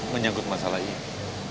menyangkut masalah ini